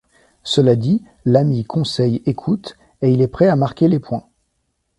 Cela dit, l’ami Conseil écoute, et il est prêt à marquer les points.